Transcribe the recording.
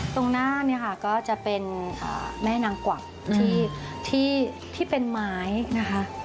ตรงหน้าเนี่ยค่ะก็จะเป็นแม่นางกวักที่เป็นไม้นะคะ